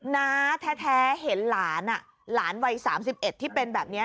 น้าแท้เห็นหลานหลานวัย๓๑ที่เป็นแบบนี้